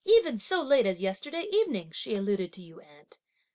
Even so late as yesterday evening, she alluded to you, aunt!